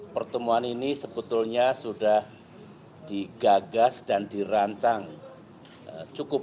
pertemuan ini sebetulnya sudah digagas dan dirancang cukup